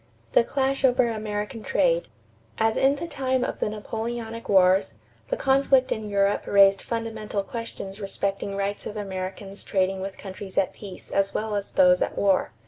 =The Clash over American Trade.= As in the time of the Napoleonic wars, the conflict in Europe raised fundamental questions respecting rights of Americans trading with countries at peace as well as those at war.